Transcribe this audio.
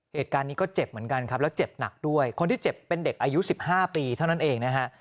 เหตุการณ์นี้ก็เจ็บเหมือนกันครับแล้วเจ็บหนักด้วยคนที่เจ็บเป็นเด็กอายุ๑๕ปีเท่านั้นเองนะฮะ